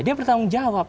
dia bertanggung jawab